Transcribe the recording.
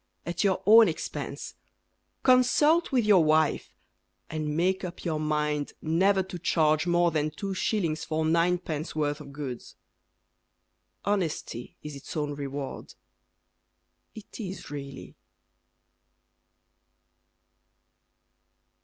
At your own expense, Consult with your wife, And make up your mind Never to charge More than 2s. For 9d. worth of goods. Honesty is its own reward It is really.